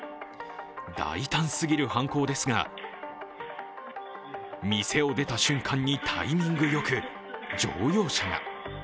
大胆すぎる犯行ですが店を出た瞬間にタイミングよく乗用車が。